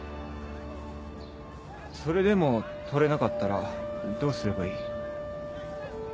それでも取れなかったらどうすればいい？